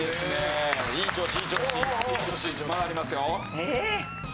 えっ？